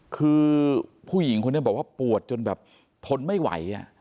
คือผู้หญิงคนนี้บอกว่าปวดจนแบบทนไม่ไหว